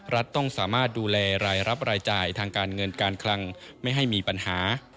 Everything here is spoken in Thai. รัฐต้องสามารถดูแลรายรับรายจ่ายทางการเงินการคลังไม่ให้มีปัญหา